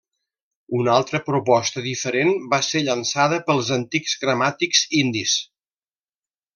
Una altra proposta diferent va ser llançada pels antics gramàtics indis.